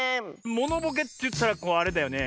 モノボケといったらあれだよね。